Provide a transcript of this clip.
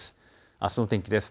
あすの天気です。